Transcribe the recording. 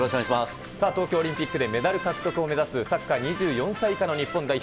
東京オリンピックでメダル獲得を目指すサッカー２４歳以下日本代表。